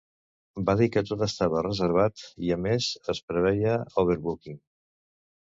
Va dir que tot estava reservat i a més es preveia overbooking.